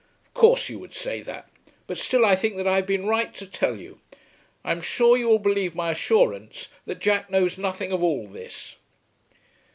"Of course you would say that; but still I think that I have been right to tell you. I am sure you will believe my assurance that Jack knows nothing of all this."